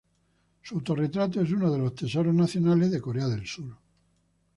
Su autorretrato es uno de los Tesoros Nacionales de Corea del Sur.